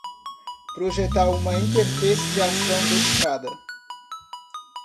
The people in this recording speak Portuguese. Projetar uma interface de ação dedicada